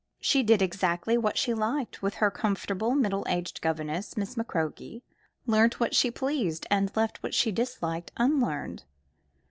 She did exactly what she liked with her comfortable, middle aged governess, Miss McCroke, learnt what she pleased, and left what she disliked unlearned.